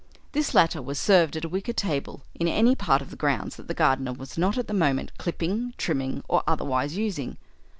This latter was served at a wicker table in any part of the grounds that the gardener was not at that moment clipping, trimming, or otherwise using.